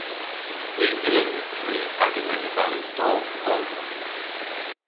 Ny yllyn ni dri agan enevales dov omma.